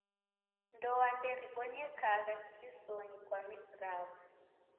Ndoa nderibonyekagha kivisonyi kwa mizi raw'o.